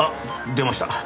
出ました。